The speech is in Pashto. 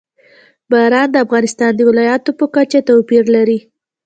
باران د افغانستان د ولایاتو په کچه توپیر لري.